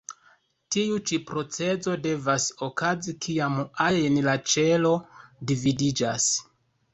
Tiu ĉi procezo devas okazi kiam ajn la ĉelo dividiĝas.